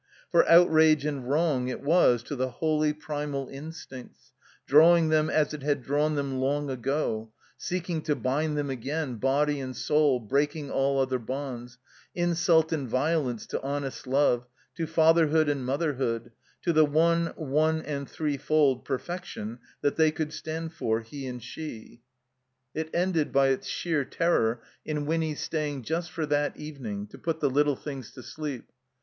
For outrage and wrong it was to the holy primal instincts, drawing them, as it had drawn them long ago, seeking to bind them again, body and sotd, breaking all other bonds ; instdt and violence to honest love, to fatherhood and mother hood, to the one (one and threefold) perfection that they could stand for, he and she. 378 THE COMBINED MAZE It ended by its sheer terror in Winny's staying just for that evening, to put the Kttle things to sleep.